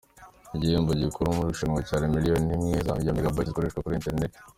Igihembo gikuru muri iri rushanwa cyari miliyoni imwe ya Megabytes zikoreshwa kuri internet.